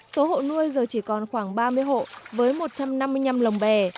số hộ nuôi giờ chỉ còn khoảng ba mươi hộ với một trăm năm mươi năm lồng bè